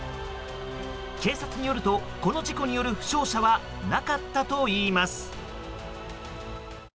警察によると、この事故による負傷者はなかったといいます。